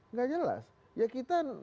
nggak jelas ya kita